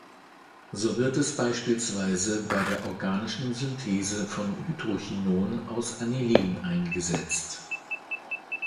So wird es beispielsweise bei der organischen Synthese von Hydrochinon aus Anilin eingesetzt.